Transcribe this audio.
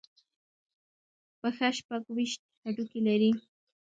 پښه شپږ ویشت هډوکي لري.